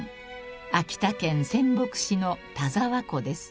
［秋田県仙北市の田沢湖です］